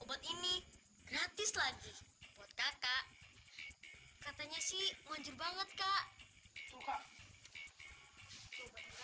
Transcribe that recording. obat ini gratis lagi buat kakak katanya sih manjur banget kak